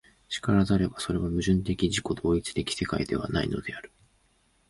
然らざれば、それは矛盾的自己同一的世界ではないのである。